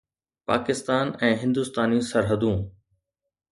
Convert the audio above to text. پاڪستان ۽ هندستاني سرحدون